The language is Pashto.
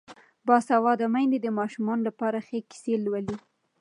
باسواده میندې د ماشومانو لپاره ښې کیسې لولي.